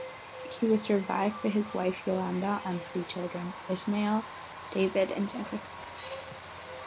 He was survived by his wife Yolanda and three children: Ismael, David, and Jessica.